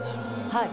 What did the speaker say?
はい。